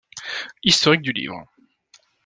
Historique du livre